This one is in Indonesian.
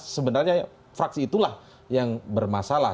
sebenarnya fraksi itulah yang bermasalah